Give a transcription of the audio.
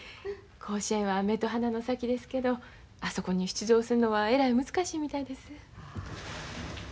甲子園は目と鼻の先ですけどあそこに出場するのはえらい難しいみたいです。